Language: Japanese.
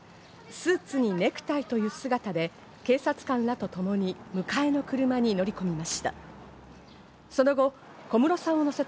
スーツにネクタイという姿で、警察官らと共に迎えの車に乗り込みました。